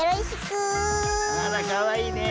あらかわいいね。